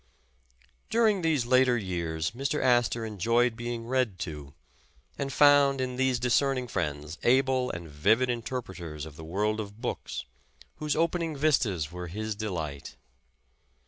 During these later years Mr. Astor enjoyed being read to, and found in these discerning friends able and vivid interpreters of the world of books, whose opening vistas were his delight.